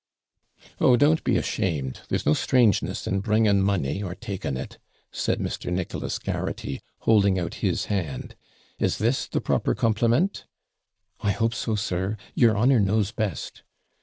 'Oh, don't be ashamed there's no strangeness in bringing money or taking it,' said Mr. Nicholas Garraghty, holding out his hand. 'Is this the proper compliment?' 'I hope so, sir; your honour knows best.'